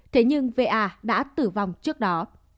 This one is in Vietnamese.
thế nhưng va đã tử vong trước đó